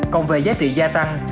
còn về giá trị gia tăng